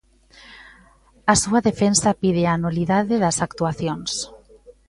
A súa defensa pide a nulidade das actuacións.